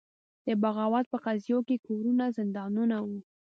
د بغاوت په قضیو کې کورونه زندانونه وو.